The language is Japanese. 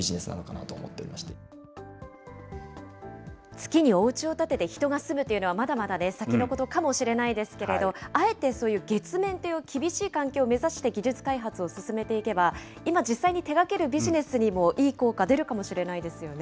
月におうちを建てて人が住むというのは、まだまだで先のことかもしれないですけれど、あえてそういう月面という厳しい環境を目指して技術開発を進めていけば、今、実際に手掛けるビジネスにもいい効果出るかもしれないですよね。